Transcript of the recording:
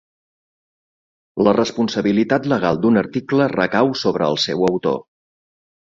La responsabilitat legal d'un article recau sobre el seu autor.